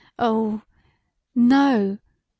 Oh! No[!